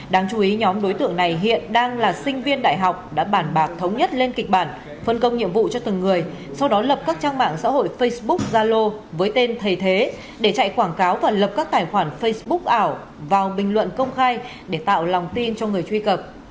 đáng chú ý nhóm đối tượng này hiện đang là sinh viên đại học đã bản bạc thống nhất lên kịch bản phân công nhiệm vụ cho từng người sau đó lập các trang mạng xã hội facebook zalo với tên thầy thế để chạy quảng cáo và lập các tài khoản facebook ảo vào bình luận công khai để tạo lòng tin cho người truy cập